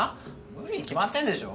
無理に決まってんでしょ。